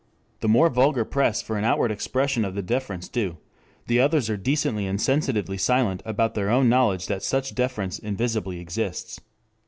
The more vulgar press for an outward expression of the deference due, the others are decently and sensitively silent about their own knowledge that such deference invisibly exists.